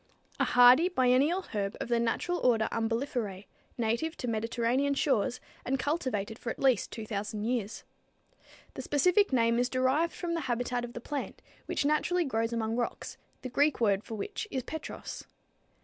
a hardy biennial herb of the natural order Umbelliferæ, native to Mediterranean shores, and cultivated for at least 2,000 years. The specific name is derived from the habitat of the plant, which naturally grows among rocks, the Greek word for which is petros.